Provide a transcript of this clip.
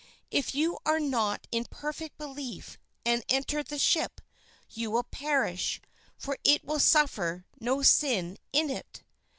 If you are not in perfect belief and enter the ship, you will perish, for it will suffer no sin in it."